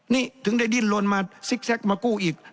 นี่ถึงได้ดิ้นลนมาซิกแก๊กมากู้อีก